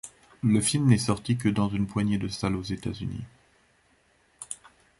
Le film n'est sorti que dans une poignée de salles aux États-Unis.